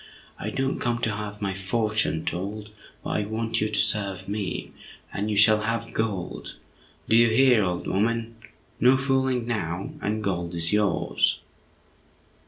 I don't come to have my fortune told, but I want you to serve me, and you shall have gold—do you hear, old woman? No fooling now, and gold is yours!"